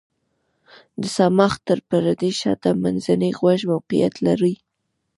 د صماخ تر پردې شاته منځنی غوږ موقعیت لري.